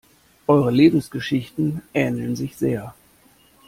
Eure Lebensgeschichten ähneln sich sehr.